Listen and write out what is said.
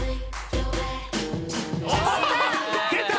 出た！